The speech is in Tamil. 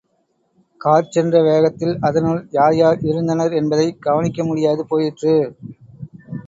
கார்சென்ற வேகத்தில் அதனுள் யார் யார் இருந்தனர் என்பதைக் கவனிக்கமுடியாது போயிற்று.